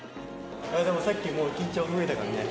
でもさっきもう緊張ほぐれたからね。